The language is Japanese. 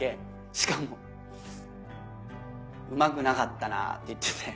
しかも「うまくなかったなぁ」って言ってて。